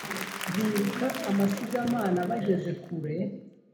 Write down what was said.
biruka amasigamana bageze kure